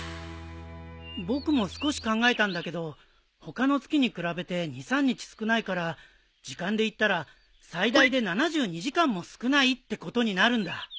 僕も少し考えたんだけど他の月に比べて２３日少ないから時間でいったら最大で７２時間も少ないってことになるんだ。